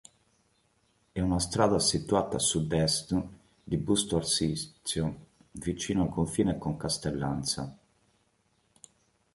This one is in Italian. È una strada situata a sudest di Busto Arsizio, vicino al confine con Castellanza.